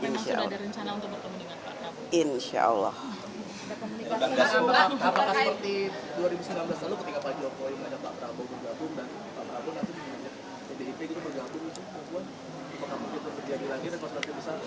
masa sudah ada rencana untuk berkembang dengan pak prabowo